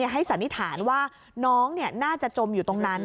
สันนิษฐานว่าน้องน่าจะจมอยู่ตรงนั้น